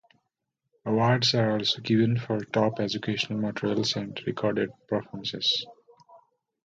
Awards are also given for top educational materials and recorded performances.